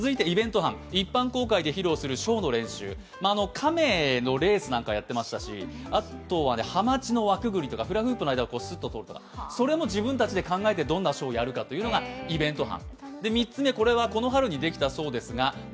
亀のレースなんかやってましたし、あとはハマチの輪くぐりとか、フラフープの間をスッと通ったりとかそれも自分たちで考えて、どんなショーをやるかというのがイベント班。